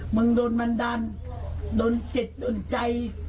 โดนมันดันโดนจิตโดนใจ